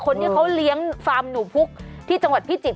คนที่เขาเลี้ยงฟาร์มหนูพุกที่จังหวัดพิจิตร